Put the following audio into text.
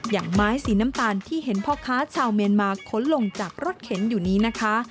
อย่างไม้สีน้ำตาลที่เห็นพ่อค้าชาวเมียนมาขนลงจากรถเข็นอยู่นี้นะคะ